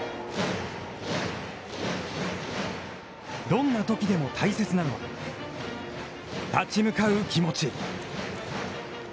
どんなときでも大切なのは、立ち向かう気持ち。